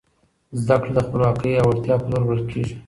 زده کړه د خپلواکۍ او وړتیا په لور وړل کیږي.